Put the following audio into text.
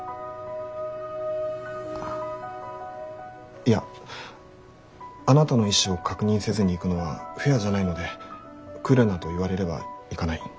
いやあなたの意思を確認せずに行くのはフェアじゃないので来るなと言われれば行かない。